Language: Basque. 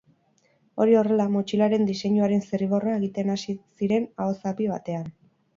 Hori horrela, motxilaren diseinuaren zirriborroa egiten hasi ziren ahozapi batean.